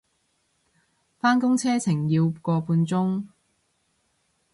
返工車程要個半鐘